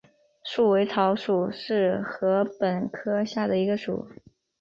束尾草属是禾本科下的一个属。